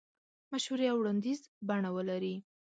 مشورې او وړاندیز بڼه ولري.